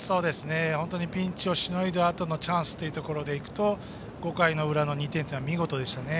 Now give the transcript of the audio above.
本当にピンチをしのいだあとのチャンスというところでいうと５回の裏の２点は見事でしたね。